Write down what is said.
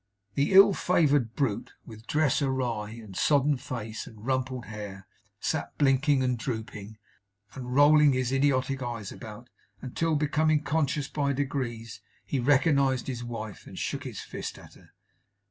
The ill favoured brute, with dress awry, and sodden face, and rumpled hair, sat blinking and drooping, and rolling his idiotic eyes about, until, becoming conscious by degrees, he recognized his wife, and shook his fist at her.